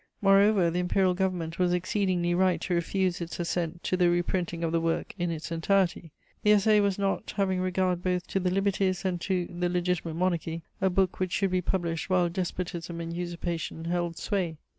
Moreover, the Imperial Government was exceedingly right to refuse its assent to the reprinting of the work in its entirety: the Essai was not, having regard both to the liberties and to the Legitimate Monarchy, a book which should be published while despotism and usurpation held sway.